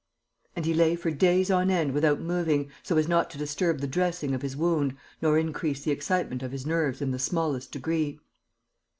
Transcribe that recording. And he lay for days on end without moving, so as not to disturb the dressing of his wound nor increase the excitement of his nerves in the smallest degree.